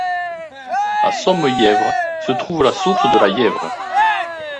À Somme-Yèvre, se trouve la source de la Yèvre.